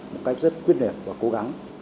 một cách rất quyết liệt và cố gắng